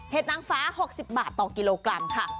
นางฟ้า๖๐บาทต่อกิโลกรัมค่ะ